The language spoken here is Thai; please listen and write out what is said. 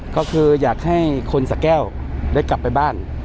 ก็คืออยากให้คนสะแก้วได้กลับไปบ้าน